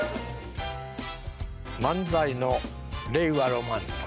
漫才の令和ロマンさん。